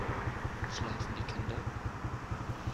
Schlafen die Kinder?